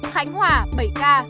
hãnh hòa bảy ca